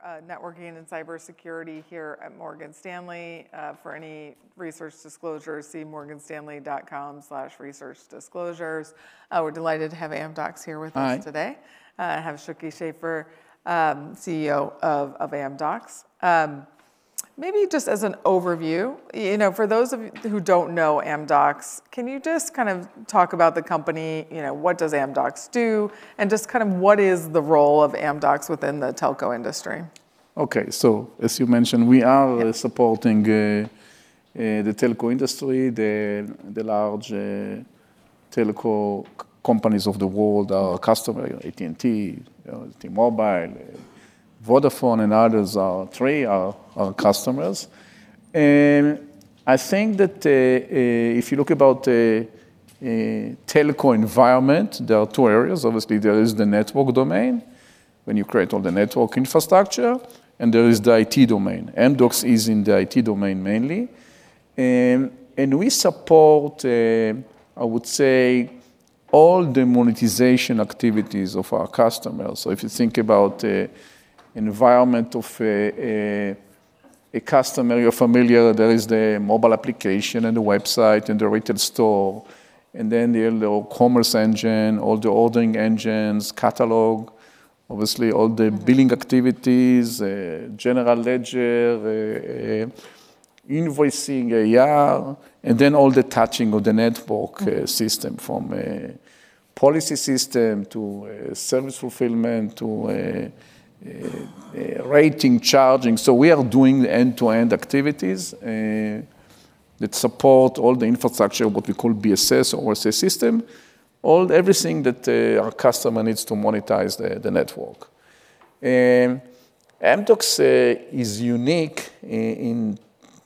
For networking and cybersecurity here at Morgan Stanley. For any research disclosures, see morganstanley.com/research disclosures. We're delighted to have Amdocs here with us today. I have Shuky Sheffer, CEO of Amdocs. Maybe just as an overview, for those who don't know Amdocs, can you just talk about the company? What does Amdocs do? What is the role of Amdocs within the telco industry? Okay, so as you mentioned, we are supporting the telco industry. The large telco companies of the world are our customers: AT&T, T-Mobile, Vodafone, and others. Three are our customers. If you look at the telco environment, there are two areas. Obviously, there is the network domain when you create all the network infrastructure, and there is the IT domain. Amdocs is in the IT domain mainly. We support, I would say, all the monetization activities of our customers. If you think about the environment of a customer you're familiar with, there is the mobile application and the website and the retail store. There are the commerce engine, all the ordering engines, catalog, obviously all the billing activities, General Ledger, invoicing, AR, and then all the touching of the network system from policy system to service fulfillment to rating charging. We are doing end-to-end activities that support all the infrastructure, what we call BSS or OSS system, all everything that our customer needs to monetize the network. Amdocs is unique in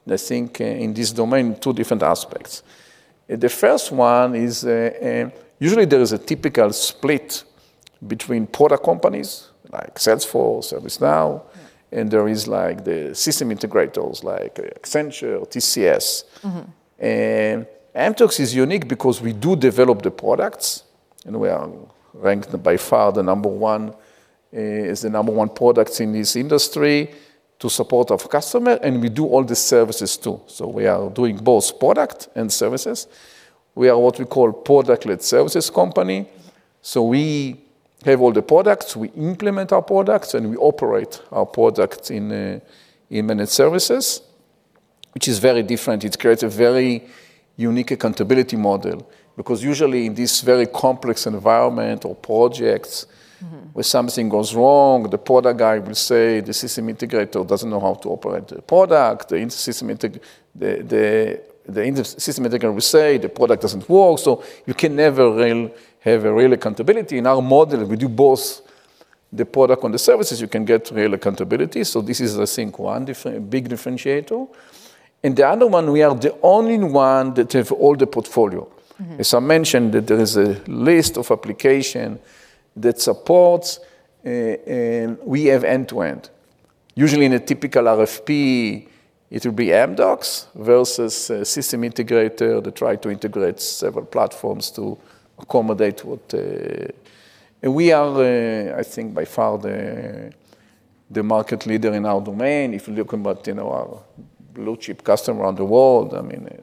this domain in two different aspects. The first one is usually there is a typical split between product companies like Salesforce, ServiceNow, and there are the system integrators like Accenture, TCS, and Amdocs is unique because we do develop the products, and we are ranked by far the number one, is the number one product in this industry to support our customers, and we do all the services too, so we are doing both product and services. We are what we call a product-led services company, so we have all the products, we implement our products, and we operate our products in managed services, which is very different. It creates a very unique accountability model because usually in this very complex environment or projects, when something goes wrong, the product guy will say the system integrator doesn't know how to operate the product. The system integrator will say the product doesn't work, so you can never have a real accountability. In our model, we do both the product and the services. You can get real accountability, so this is, I think, one big differentiator, and the other one, we are the only one that have all the portfolio. As I mentioned, there is a list of applications that supports, and we have end-to-end. Usually in a typical RFP, it will be Amdocs versus a system integrator that tries to integrate several platforms to accommodate what we are by far the market leader in our domain. If you're looking at our blue-chip customer around the world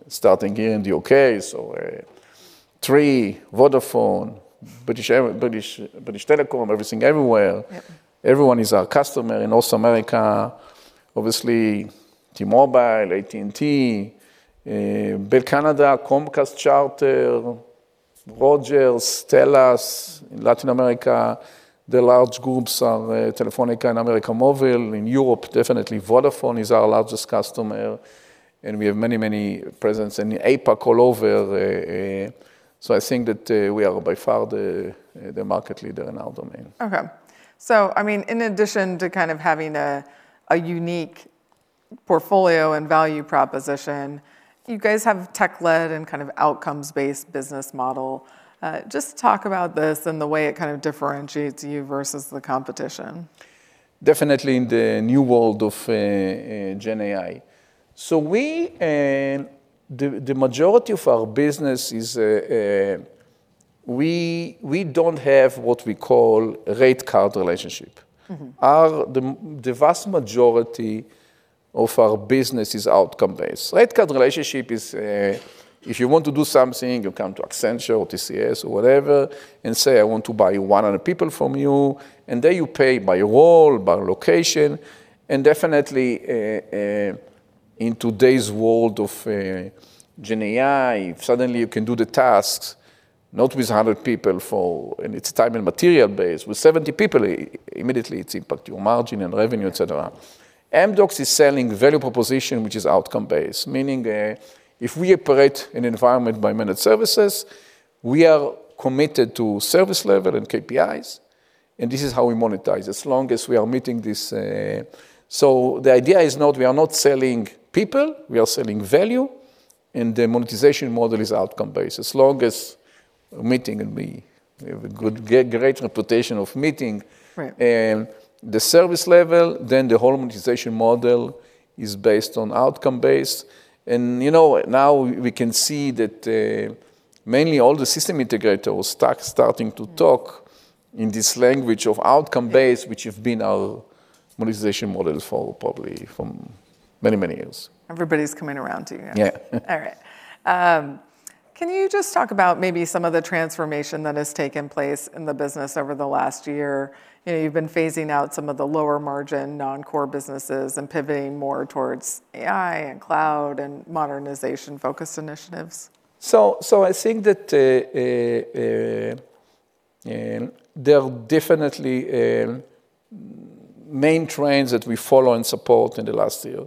starting here in the UK, so TRI, Vodafone, British Telecom, everything everywhere. Everyone is our customer in North America. Obviously, T-Mobile, AT&T, Bell Canada, Comcast, Charter, Rogers, TELUS in Latin America. The large groups are Telefónica, América Móvil. In Europe, definitely Vodafone is our largest customer, and we have many, many presence in APAC all over, we are by far the market leader in our domain. Okay. In addition to having a unique portfolio and value proposition, you guys have a tech-led and outcomes-based business model. Just talk about this and the way it differentiates you versus the competition. Definitely in the new world of GenAI. The majority of our business is we don't have what we call rate card relationship. The vast majority of our business is outcome-based. Rate card relationship is if you want to do something, you come to Accenture or TCS or whatever and say, "I want to buy 100 people from you," and then you pay by role, by location. Fefinitely in today's world of GenAI, suddenly you can do the tasks not with 100 people for, and it's time and material-based. With 70 people, immediately it's impact your margin and revenue, et cetera. Amdocs is selling value proposition, which is outcome-based, meaning if we operate in an environment by managed services, we are committed to service level and KPIs. This is how we monetize as long as we are meeting this. The idea is we are not selling people. We are selling value. The monetization model is outcome-based as long as meeting, and we have a great reputation of meeting the service level. The whole monetization model is based on outcome-based. Now we can see that mainly all the system integrators are starting to talk in this language of outcome-based, which has been our monetization model for probably many, many years. Everybody's coming around to you. All right. Can you just talk about maybe some of the transformation that has taken place in the business over the last year? You've been phasing out some of the lower margin non-core businesses and pivoting more towards AI and cloud and modernization-focused initiatives. There are definitely main trends that we follow and support in the last year.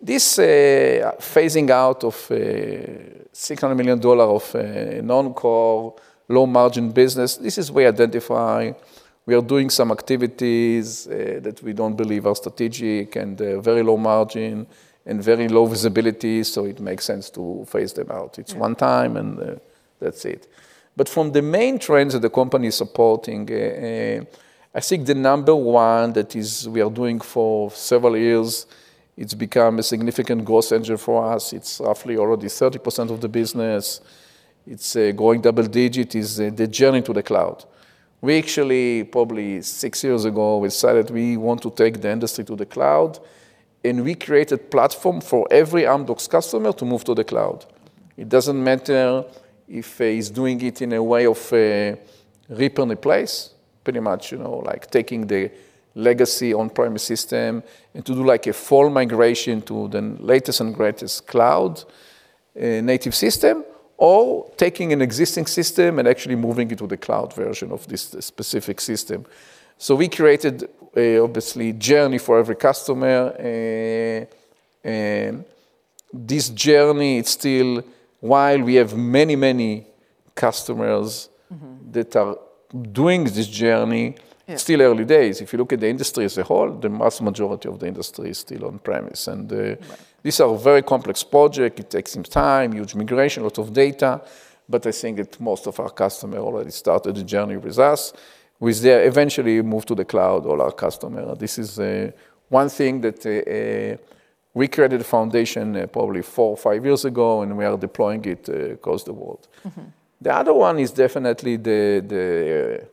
This phasing out of $600 million of non-core low-margin business, this is we identify we are doing some activities that we don't believe are strategic and very low margin and very low visibility. It makes sense to phase them out. It's one time and that's it. From the main trends that the company is supporting the number one that we are doing for several years, it's become a significant growth engine for us. It's roughly already 30% of the business. It's growing double-digit. It's the journey to the cloud. We actually probably six years ago we decided we want to take the industry to the cloud. We created a platform for every Amdocs customer to move to the cloud. It doesn't matter if he's doing it in a way of rip and replace, pretty much like taking the legacy on-premise system and to do like a full migration to the latest and greatest cloud native system or taking an existing system and actually moving it to the cloud version of this specific system, so we created obviously a journey for every customer. This journey is still, while we have many, many customers that are doing this journey. It's still early days. If you look at the industry as a whole, the vast majority of the industry is still on-premise, and these are very complex projects. It takes some time, huge migration, lots of data, but most of our customers already started the journey with us, with their eventual move to the cloud. All our customers. This is one thing that we created a foundation probably four or five years ago, and we are deploying it across the world. The other one is definitely the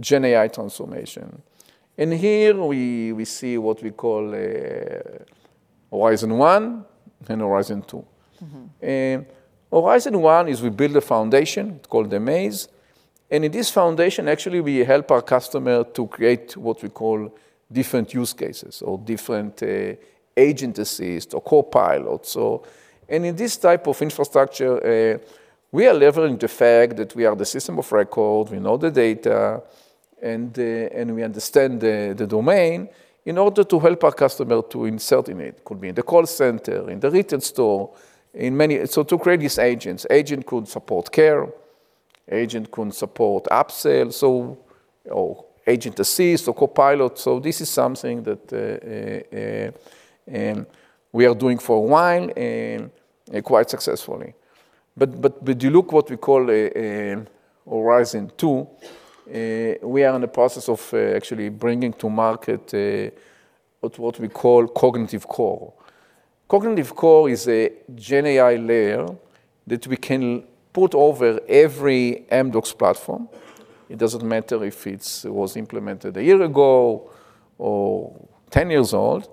GenAI transformation, and here we see what we call Horizon One and Horizon Two. Horizon One is we build a foundation. It's called amAIz, and in this foundation, actually, we help our customers to create what we call different use cases or different agents or copilots, and in this type of infrastructure, we are leveraging the fact that we are the system of record. We know the data, and we understand the domain in order to help our customers to insert in it. It could be in the call center, in the retail store, in many. To create these agents. Agent could support care. Agent could support upsell or agent assist or copilot. This is something that we are doing for a while and quite successfully. If you look at what we call Horizon Two, we are in the process of actually bringing to market what we call Cognitive Core. Cognitive Core is a GenAI layer that we can put over every Amdocs platform. It doesn't matter if it was implemented a year ago or 10 years old.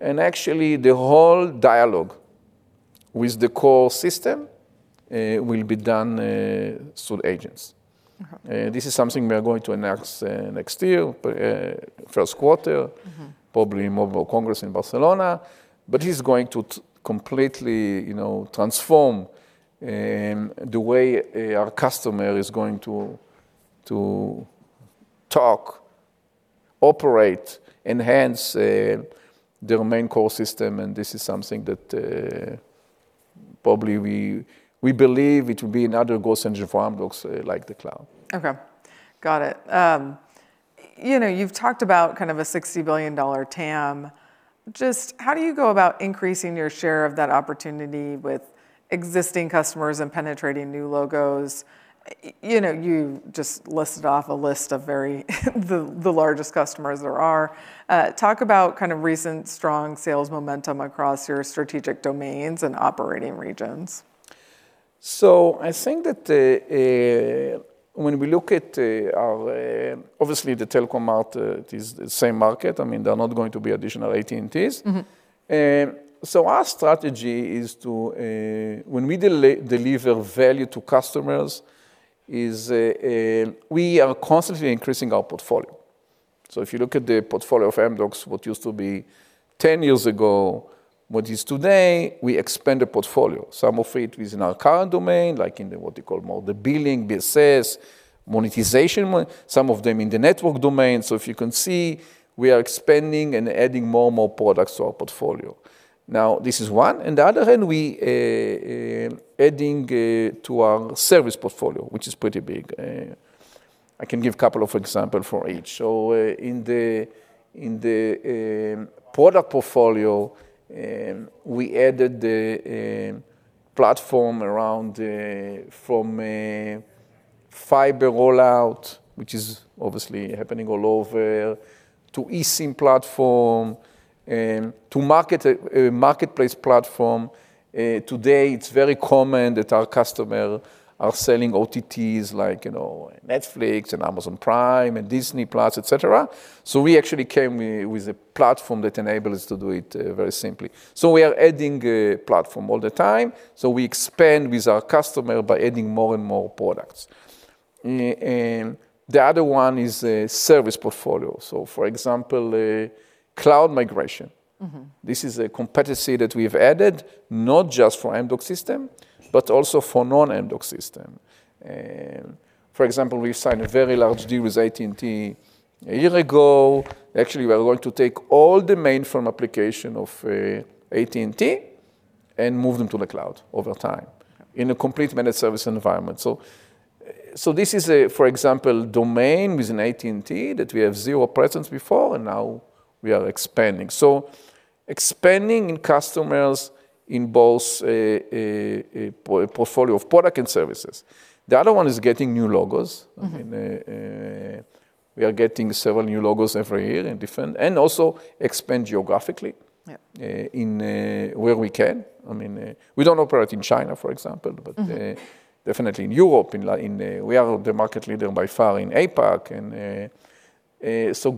Actually, the whole dialogue with the core system will be done through agents. This is something we are going to announce next year, first quarter, probably in Mobile World Congress in Barcelona. It's going to completely transform the way our customer is going to talk, operate, enhance their main core system. This is something that probably we believe it will be another growth engine for Amdocs like the cloud. Got it. You've talked about a $60 billion TAM. Just how do you go about increasing your share of that opportunity with existing customers and penetrating new logos? You just listed off a list of the largest customers there are. Talk about recent strong sales momentum across your strategic domains and operating regions. When we look at our, obviously, the telco market is the same market. There are not going to be additional AT&Ts. Our strategy is, when we deliver value to customers, we are constantly increasing our portfolio. If you look at the portfolio of Amdocs, what used to be 10 years ago, what is today, we expand the portfolio. Some of it is in our current domain, like in what we call more the billing, BSS, monetization, some of them in the network domain. If you can see, we are expanding and adding more and more products to our portfolio. Now, this is one. On the other hand, we are adding to our service portfolio, which is pretty big. I can give a couple of examples for each. In the product portfolio, we added the platform around from fiber rollout, which is obviously happening all over, to eSIM platform, to marketplace platform. Today, it's very common that our customers are selling OTTs like Netflix and Amazon Prime and Disney Plus, et cetera. We actually came with a platform that enables us to do it very simply. We are adding a platform all the time. We expand with our customers by adding more and more products. The other one is service portfolio. For example, cloud migration. This is a competency that we have added not just for Amdocs system, but also for non-Amdocs system. For example, we signed a very large deal with AT&T a year ago. Actually, we are going to take all the mainframe applications of AT&T and move them to the cloud over time in a complete managed service environment. This is, for example, a domain within AT&T that we have zero presence before, and now we are expanding. Expanding customers in both portfolio of product and services. The other one is getting new logos. We are getting several new logos every year and also expand geographically where we can. We don't operate in China, for example, but definitely in Europe. We are the market leader by far in APAC.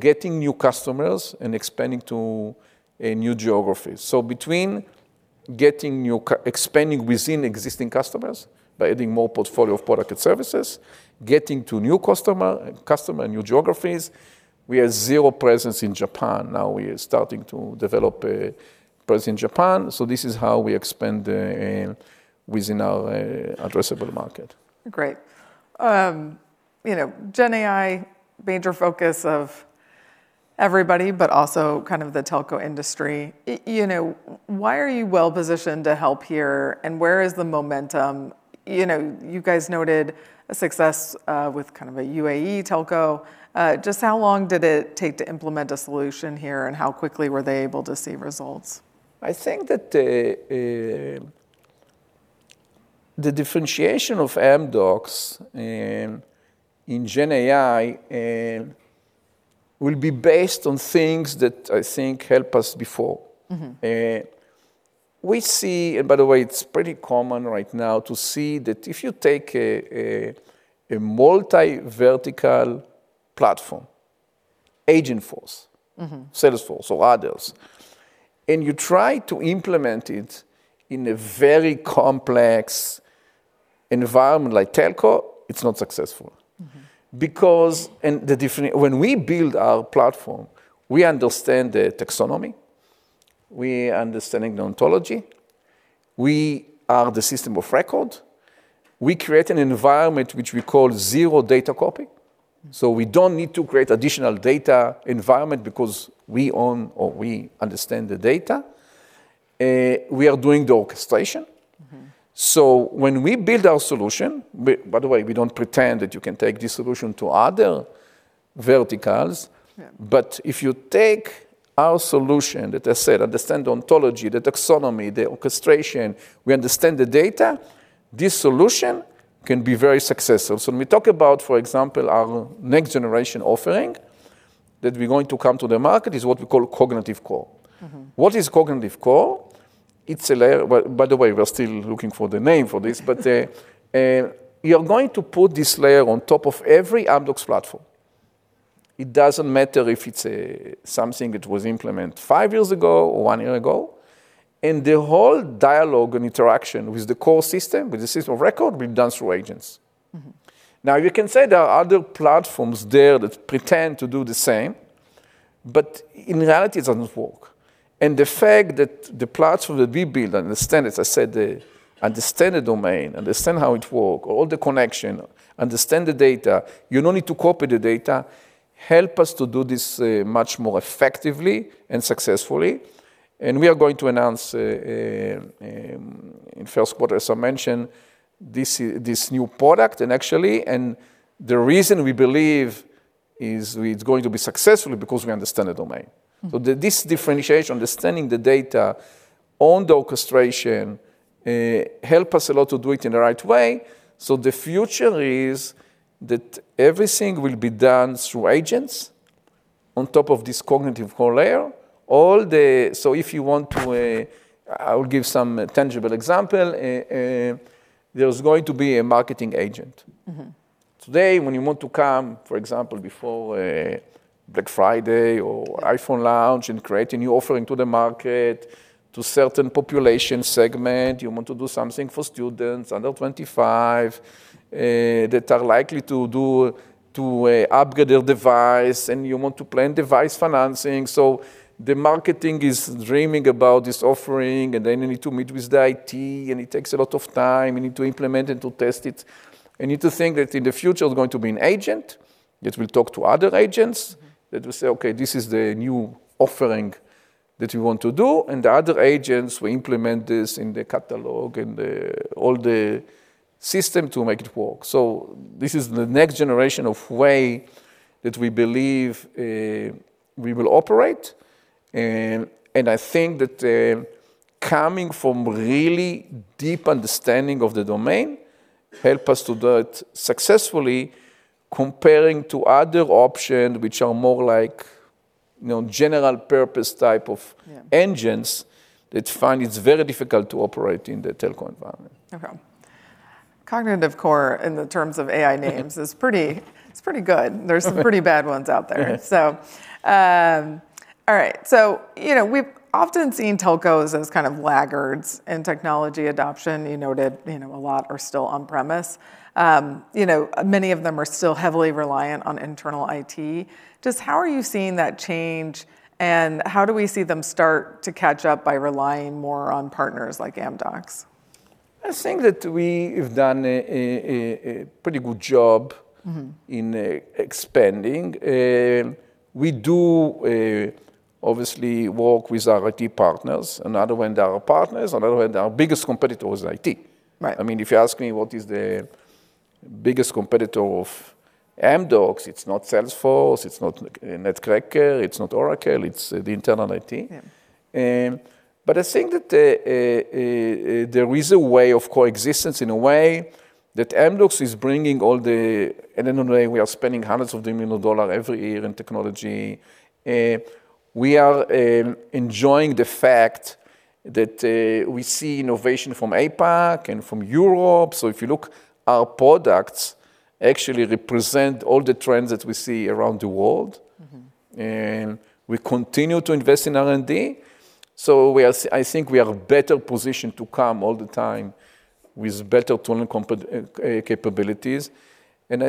Getting new customers and expanding to new geographies. Between expanding within existing customers by adding more portfolio of product and services, getting to new customers and new geographies, we have zero presence in Japan. Now we are starting to develop presence in Japan. This is how we expand within our addressable market. Great. GenAI, major focus of everybody, but also the telco industry. Why are you well positioned to help here? Where is the momentum? You guys noted a success with a UAE Telco. Just how long did it take to implement a solution here? And how quickly were they able to see results? The differentiation of Amdocs in GenAI will be based on things that helped us before. We see, and by the way, it's pretty common right now to see that if you take a multi-vertical platform, Agentforce, Salesforce, or others, and you try to implement it in a very complex environment like telco, it's not successful. Because when we build our platform, we understand the taxonomy. We understand the ontology. We are the System of Record. We create an environment which we call Zero Data Copy. We don't need to create additional data environment because we own or we understand the data. We are doing the orchestration. When we build our solution, by the way, we don't pretend that you can take this solution to other verticals. If you take our solution that, as I said, understand the ontology, the taxonomy, the orchestration, we understand the data, this solution can be very successful. When we talk about, for example, our next generation offering that we're going to come to the market is what we call Cognitive Core. What is Cognitive Core? By the way, we're still looking for the name for this. You're going to put this layer on top of every Amdocs platform. It doesn't matter if it's something that was implemented five years ago or one year ago. The whole dialogue and interaction with the core system, with the System of Record, we've done through agents. Now, you can say there are other platforms there that pretend to do the same, but in reality, it doesn't work. The fact that the platform that we build, I understand it, as I said, understand the domain, understand how it works, all the connection, understand the data, you don't need to copy the data, help us to do this much more effectively and successfully. We are going to announce in first quarter, as I mentioned, this new product. Actually, the reason we believe it is going to be successful is because we understand the domain. This differentiation, understanding the data on the orchestration, helps us a lot to do it in the right way. The future is that everything will be done through agents on top of this Cognitive Core layer. If you want to, I will give some tangible example. There is going to be a marketing agent. Today, when you want to come, for example, before Black Friday or iPhone launch and create a new offering to the market to certain population segment, you want to do something for students under 25 that are likely to upgrade their device, and you want to plan device financing. The marketing is dreaming about this offering, and then you need to meet with the IT, and it takes a lot of time. You need to implement it and to test it. You need to think that in the future, it's going to be an agent that will talk to other agents that will say, "Okay, this is the new offering that we want to do." The other agents will implement this in the catalog and all the system to make it work. This is the next generation of way that we believe we will operate. Coming from really deep understanding of the domain helps us to do it successfully, comparing to other options, which are more like general purpose type of engines that find it's very difficult to operate in the telco environment. Okay. Cognitive Core in terms of AI names is pretty good. There's some pretty bad ones out there. All right. We've often seen Telco's as laggards in technology adoption. You noted a lot are still on-premises. Many of them are still heavily reliant on internal IT. Just how are you seeing that change? How do we see them start to catch up by relying more on partners like Amdocs? We have done a pretty good job in expanding. We do obviously work with our IT partners. Another one of our partners, another one of our biggest competitors is IT. If you ask me what is the biggest competitor of Amdocs, it's not Salesforce, it's not NetCracker, it's not Oracle, it's the internal IT. That there is a way of coexistence in a way that Amdocs is bringing all the, and in a way, we are spending hundreds of millions of dollars every year in technology. We are enjoying the fact that we see innovation from APAC and from Europe. If you look, our products actually represent all the trends that we see around the world, and we continue to invest in R&D, so we are better positioned to come all the time with better tooling capabilities. In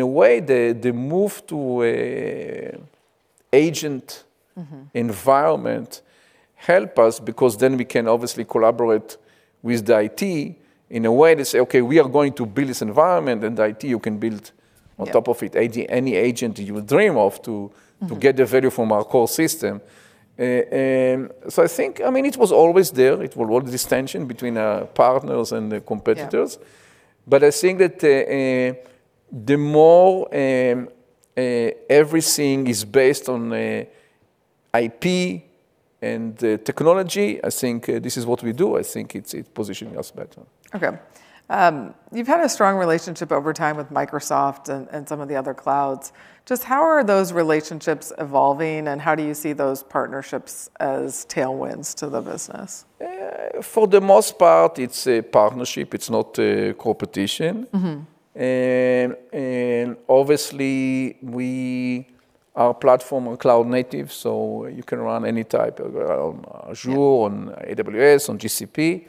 a way, the move to agent environment helps us because then we can obviously collaborate with the IT in a way to say, "Okay, we are going to build this environment, and the IT, you can build on top of it any agent you dream of to get the value from our core system." It was always there. It was always this tension between our partners and the competitors. The more everything is based on IP and technology this is what we do. It's positioning us better. Okay. You've had a strong relationship over time with Microsoft and some of the other clouds. Just how are those relationships evolving? How do you see those partnerships as tailwinds to the business? For the most part, it's a partnership. It's not a competition, and obviously our platform is cloud native, so you can run any type of Azure, on AWS, on GCP.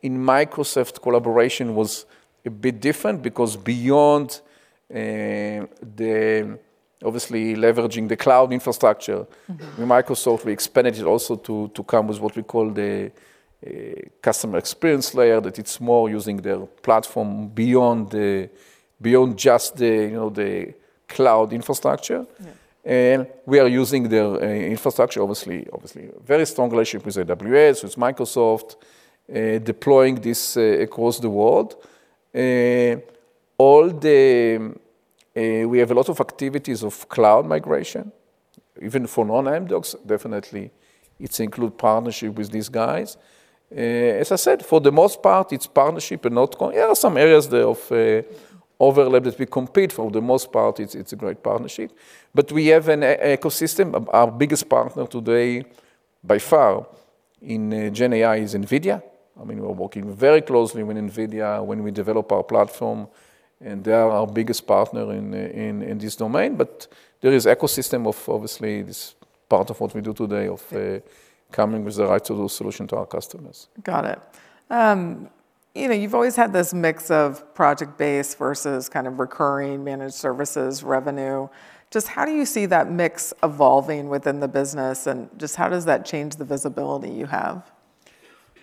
In Microsoft collaboration was a bit different because beyond obviously leveraging the cloud infrastructure, Microsoft expanded it also to come with what we call the customer experience layer that it's more using their platform beyond just the cloud infrastructure, and we are using their infrastructure, obviously, obviously very strong relationship with AWS, with Microsoft, deploying this across the world. We have a lot of activities of cloud migration, even for non-Amdocs. Definitely, it's included partnership with these guys. As I said, for the most part, it's partnership and not some areas there of overlap that we compete. For the most part, it's a great partnership, but we have an ecosystem. Our biggest partner today, by far, in GenAI is NVIDIA. We're working very closely with Nvidia when we develop our platform, and they are our biggest partner in this domain, but there is an ecosystem of, obviously, this part of what we do today of coming with the right to do solution to our customers. Got it. You've always had this mix of project-based versus recurring managed services revenue. Just how do you see that mix evolving within the business? Just how does that change the visibility you have?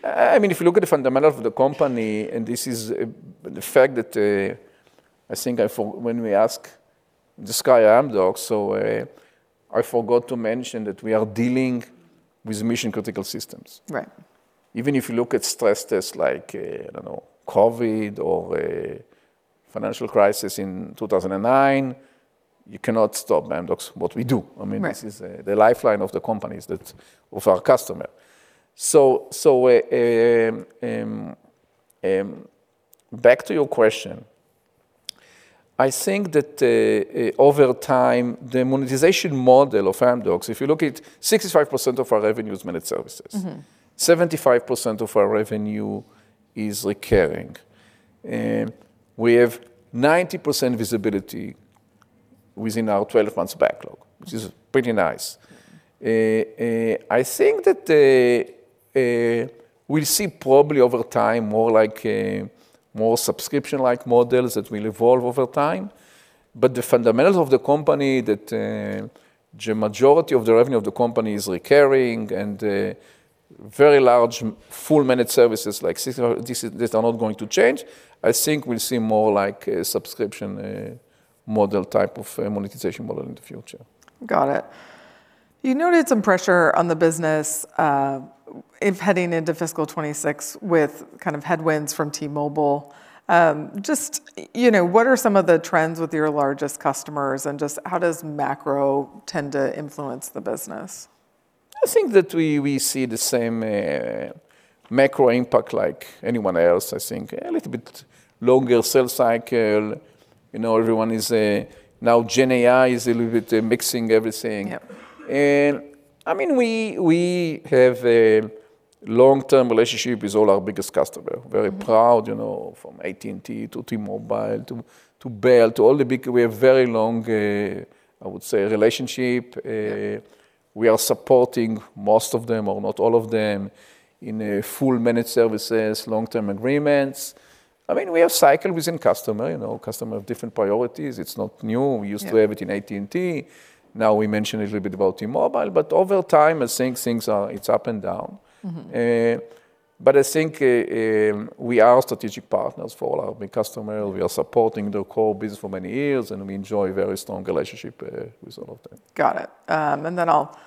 If you look at the fundamentals of the company, and this is the fact that I think when we ask Shuky Amdocs, so I forgot to mention that we are dealing with mission-critical systems. Even if you look at stress tests like, I don't know, COVID or financial crisis in 2009, you cannot stop Amdocs, what we do. This is the lifeline of the companies of our customer. Back to your question, over time, the monetization model of Amdocs, if you look at 65% of our revenue is managed services, 75% of our revenue is recurring. We have 90% visibility within our 12-month backlog, which is pretty nice. We'll see probably over time more subscription-like models that will evolve over time. The fundamentals of the company that the majority of the revenue of the company is recurring and very large full Managed Services like 65%, these are not going to change. We'll see more like a subscription model type of monetization model in the future. Got it. You noted some pressure on the business heading into fiscal 2026 with headwinds from T-Mobile. Just what are some of the trends with your largest customers, and just how does macro tend to influence the business? We see the same macro impact like anyone else. A little bit longer sales cycle. Everyone is now, GenAI is a little bit mixing everything, and we have a long-term relationship with all our biggest customers. Very proud from AT&T to T-Mobile to Bell, to all the big. We have a very long, I would say, relationship. We are supporting most of them, or not all of them, in full managed services, long-term agreements. We have cycle within customer. Customer has different priorities. It's not new. We used to have it in AT&T. Now we mentioned a little bit about T-Mobile, but over time things are up and down, but we are strategic partners for all our big customers. We are supporting their core business for many years. We enjoy a very strong relationship with all of them. Got it, and then I'll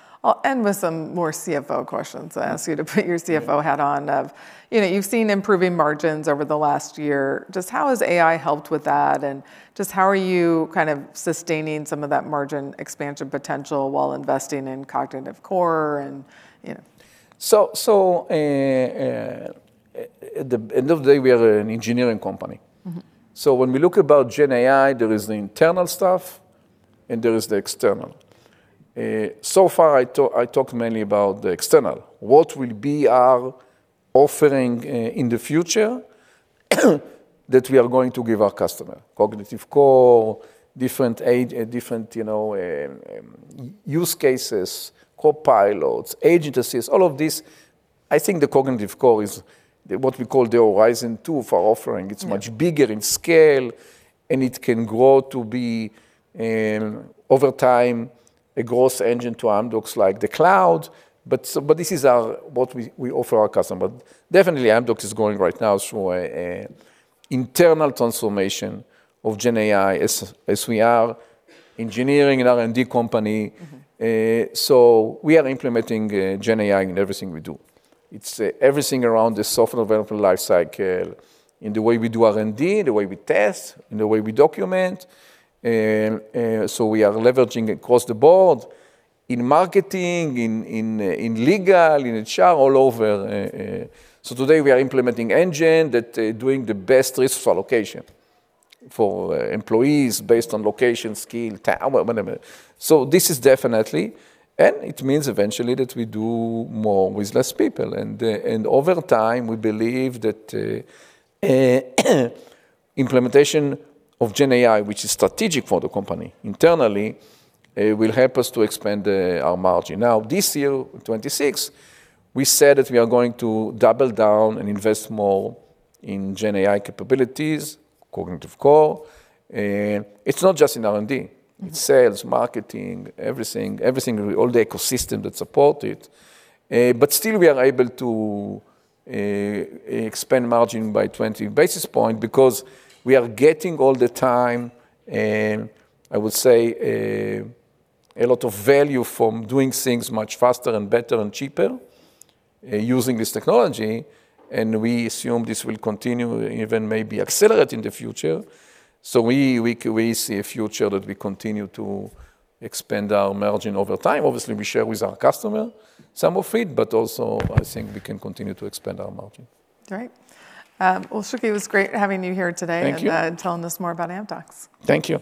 end with some more CFO questions. I ask you to put your CFO hat on. You've seen improving margins over the last year. Just how has AI helped with that? And just how are you sustaining some of that margin expansion potential while investing in Cognitive Core? At the end of the day, we are an engineering company. When we look about GenAI, there is the internal stuff, and there is the external. So far, I talked mainly about the external. What will be our offering in the future that we are going to give our customer? Cognitive Core, different use cases, copilots, agent assist, all of this. The Cognitive Core is what we call the Horizon Two of our offering. It's much bigger in scale. It can grow to be, over time, a growth engine to Amdocs like the cloud. This is what we offer our customers. Definitely, Amdocs is going right now through an internal transformation of GenAI as we are engineering an R&D company. We are implementing GenAI in everything we do. It's everything around the software development lifecycle in the way we do R&D, the way we test, and the way we document. We are leveraging across the board in marketing, in legal, in HR, all over. Today, we are implementing engine that is doing the best risk allocation for employees based on location, skill, time, whatever. This is definitely, and it means eventually that we do more with less people. Over time, we believe that implementation of GenAI, which is strategic for the company internally, will help us to expand our margin. Now, this year, 2026, we said that we are going to double down and invest more in GenAI capabilities, Cognitive Core. It's not just in R&D. It's sales, marketing, everything, all the ecosystem that supports it. Still, we are able to expand margin by 20 basis points because we are getting all the time, I would say, a lot of value from doing things much faster and better and cheaper using this technology. We assume this will continue, even maybe accelerate in the future. We see a future that we continue to expand our margin over time. Obviously, we share with our customer some of it, but also we can continue to expand our margin. All right. Well, Shuky, it was great having you here today and telling us more about Amdocs. Thank you.